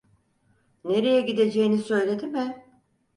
Nereye gideceğini söyledi mi?